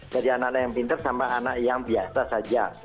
jadi anak anak yang pinter sama anak yang biasa saja